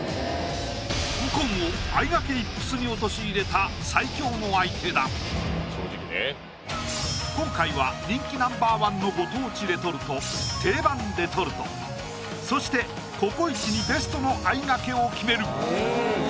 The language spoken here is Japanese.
右近をあいがけイップスに陥れた最強の相手だ今回は人気Ｎｏ．１のご当地レトルト定番レトルトそしてＣｏＣｏ壱にベストのあいがけを決める！